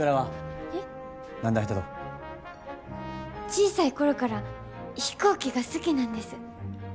小さい頃から飛行機が好きなんです。